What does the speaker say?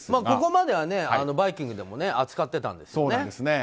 ここまでは「バイキング」でも扱ってたんですね。